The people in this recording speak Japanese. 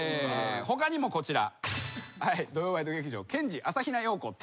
他にもこちら。